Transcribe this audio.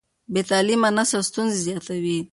بې تعليمه نسل ستونزې زیاتوي.